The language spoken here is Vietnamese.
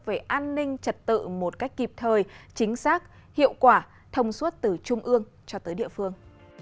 về an ninh trật tự một cách kịp thời chính xác hiệu quả thông suốt từ trung ương cho tới địa phương